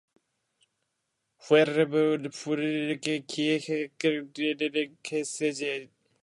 ふぇ ｒｖｆｒｖｊ きえ ｖ へ ｒｊｃｂ れ ｌｈｃ れ ｖ け ｒｊ せ ｒｋｖ じぇ ｓ